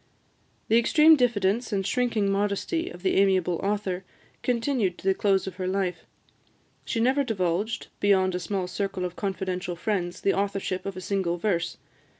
The extreme diffidence and shrinking modesty of the amiable author continued to the close of her life; she never divulged, beyond a small circle of confidential friends, the authorship of a single verse.